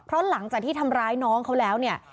เพราะหลังจากที่ทำร้ายน้องเขาแล้วเนี่ย